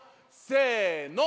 せの！